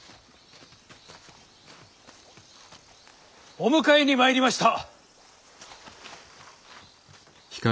お迎えに参りました。